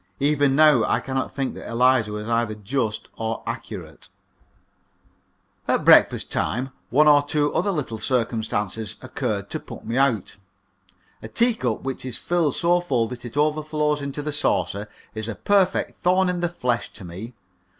Even now I cannot think that Eliza was either just or accurate. At breakfast time one or two other little circumstances occurred to put me out. A teacup which is filled so full that it overflows into the saucer is a perfect thorn in the flesh to me.